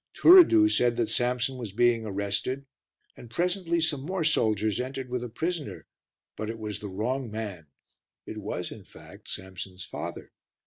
Turiddu said that Samson was being arrested and presently some more soldiers entered with a prisoner, but it was the wrong man; it was, in fact, Samson's father.